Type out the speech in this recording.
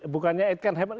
bukannya it can happen